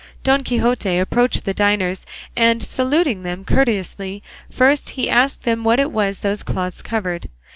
Don Quixote approached the diners, and, saluting them courteously first, he asked them what it was those cloths covered.